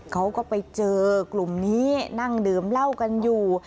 เขาก็ไปเจอกลุ่มนี้นั่งดื่มเหล้ากันอยู่